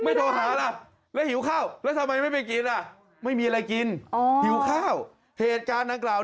เอาละเวลาเขาอยู่แล้วทำไมไม่คิดถึงเขาหรอ